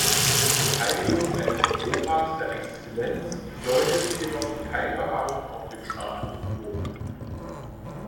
Die Verteidigung eines Europas der Exzellenz bedeutet jedoch kein Beharren auf dem Status quo.